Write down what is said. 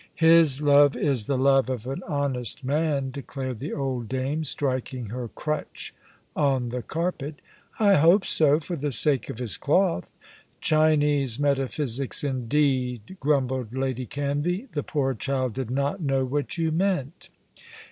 "His love is the love of an honest man," declared the old dame, striking her crutch on the carpet. "I hope so, for the sake of his cloth." "Chinese metaphysics indeed!" grumbled Lady Canvey. "The poor child did not know what you meant."